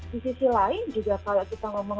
di sisi lain juga kalau kita ngomong